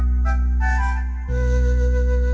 nah bahkan presentopa camera confiscated